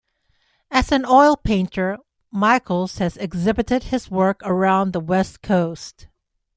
As an oil painter, Michaels has exhibited his work around the West Coast.